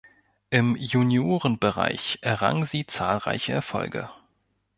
Im Juniorenbereich errang sie zahlreiche Erfolge.